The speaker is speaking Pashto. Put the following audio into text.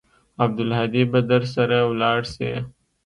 عبدالهادي به درسره ولاړ سي.